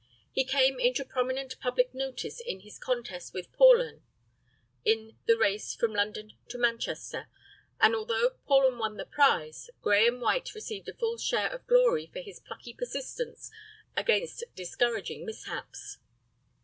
He came into prominent public notice in his contest with Paulhan in the race from London to Manchester, and although Paulhan won the prize, Grahame White received a full share of glory for his plucky persistence against discouraging mishaps.